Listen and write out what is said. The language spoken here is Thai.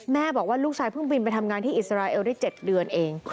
บอกว่าลูกชายเพิ่งบินไปทำงานที่อิสราเอลได้๗เดือนเอง